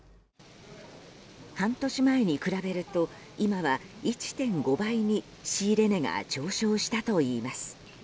半年前に比べると今は１．５倍に仕入れ値が上昇したといいます。